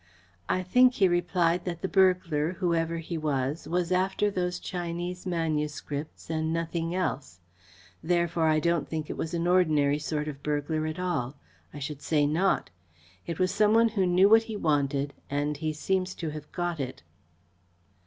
"I think," he replied, "that the burglar, whoever he was, was after those Chinese manuscripts and nothing else. Therefore I don't think it was an ordinary sort of burglar at all. I should say not. It was some one who knew what he wanted, and he seems to have got it."